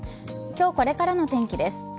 今日これからの天気です。